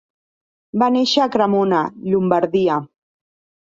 Va néixer a Cremona, Llombardia.